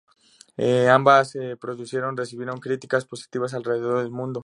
Ambas producciones recibieron críticas positivas alrededor del mundo.